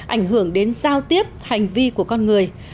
ảnh hưởng đến giao tiếp hành vi của con người